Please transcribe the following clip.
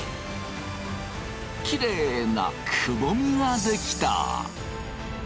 きれいなくぼみが出来た。